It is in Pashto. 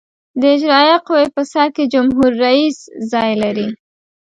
د اجرائیه قوې په سر کې جمهور رئیس ځای لري.